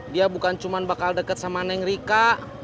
dia bukan cuma bakal dekat sama neng rika